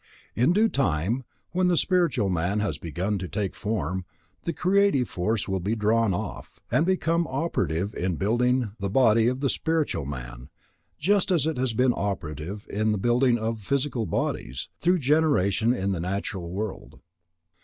In due time, when the spiritual man has begun to take form, the creative force will be drawn off, and become operative in building the body of the spiritual man, just as it has been operative in the building of physical bodies, through generation in the natural world.